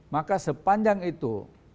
maka sepanjang itu